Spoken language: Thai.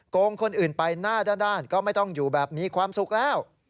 โกงคนอื่นไปหน้าด้านก็ไม่ต้องอยู่แบบมีความสุขแล้ว